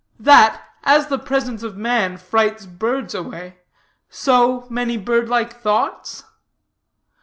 that as the presence of man frights birds away, so, many bird like thoughts?